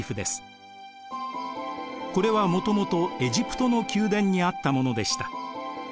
これはもともとエジプトの宮殿にあったものでした。